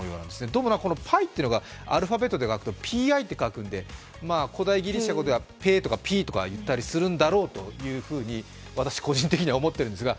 どうもパイというのがアルファベットで書くとＰＩと書くので、古代ギリシャ語ではペーとかピーとか言ったりするんだろうというふうに私個人的には思っているんですが。